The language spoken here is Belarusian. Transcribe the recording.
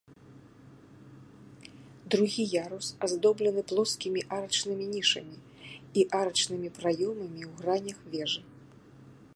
Другі ярус аздоблены плоскімі арачнымі нішамі і арачнымі праёмамі ў гранях вежы.